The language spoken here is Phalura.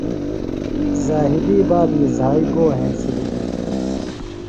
ذاہدی بابی زھائی گو ہنسِلیۡ دےۡ؟